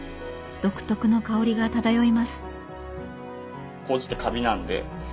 独特の香りが漂います。